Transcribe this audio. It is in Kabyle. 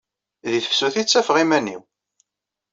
Di tefsut i ttafeɣ iman-iw.